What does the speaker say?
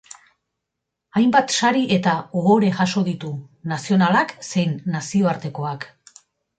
Hainbat sari eta ohore jaso ditu, nazionalak zein nazioartekoak.